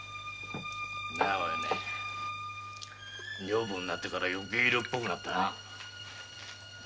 女房になってからよけい色っぽくなったな。